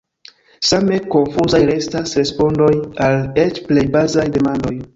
Same konfuzaj restas respondoj al eĉ plej bazaj demandoj.